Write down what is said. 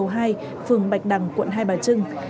phường bạch đằng quận hai bà trưng